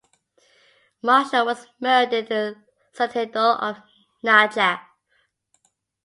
Marshall was murdered in the citadel of Najaf.